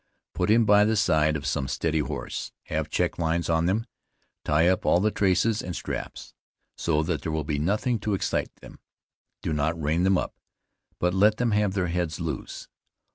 Put him by the side of some steady horse; have check lines on them; tie up all the traces and straps, so that there will be nothing to excite them; do not rein them up, but let them have their heads loose.